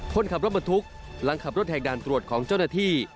คนขับรถบรรทุกหลังขับรถแหกด่านตรวจของเจ้าหน้าที่